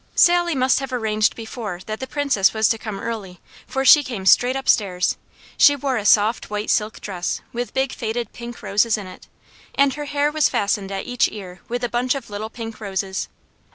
Sally must have arranged before that the Princess was to come early, for she came straight upstairs. She wore a soft white silk dress with big faded pink roses in it, and her hair was fastened at each ear with a bunch of little pink roses.